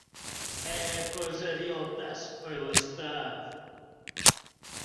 — Э-э, Кожер йолташ, ойлыштат.